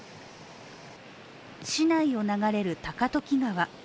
市内を流れる高時川。